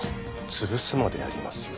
つぶすまでやりますよ